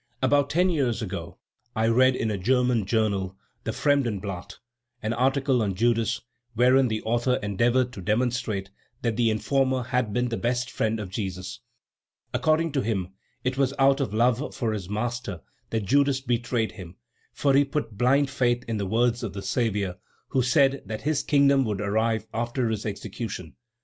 About ten years ago, I read in a German journal, the Fremdenblatt, an article on Judas, wherein the author endeavored to demonstrate that the informer had been the best friend of Jesus. According to him, it was out of love for his master that Judas betrayed him, for he put blind faith in the words of the Saviour, who said that his kingdom would arrive after his execution.